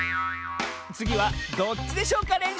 つぎは「どっちでしょうかれんしゅう」！